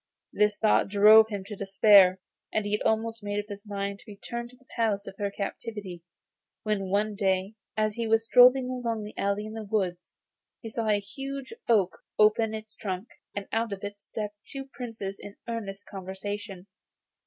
This thought drove him to despair, and he had almost made up his mind to return to the place of her captivity, when one day, as he was strolling along an alley in the woods, he saw a huge oak open its trunk, and out of it step two Princes in earnest conversation.